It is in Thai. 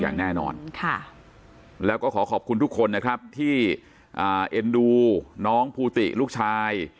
อย่างแน่นอนแล้วก็ขอขอบคุณทุกคนนะครับที่เอ็นดูน้องภูติลูกชาย